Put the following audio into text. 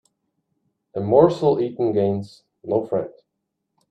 A morsel eaten gains- no friend